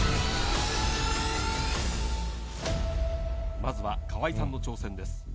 まずは河井さんの挑戦です。